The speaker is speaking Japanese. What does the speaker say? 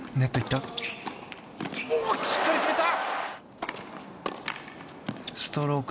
しっかり決めた！